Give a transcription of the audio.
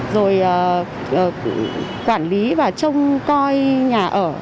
rồi quản lý và trông coi nhà ở